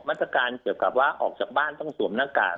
มาตรการเกี่ยวกับว่าออกจากบ้านต้องสวมหน้ากาก